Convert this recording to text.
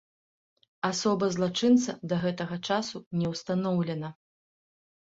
Асоба злачынца да гэтага часу не ўстаноўлена.